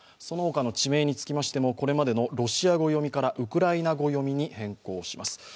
そのほかの地名につきましてもこれまでのロシア語読みからウクライナ語読みに変更します。